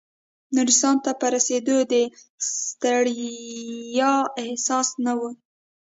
نورستان ته په رسېدو د ستړیا احساس نه و.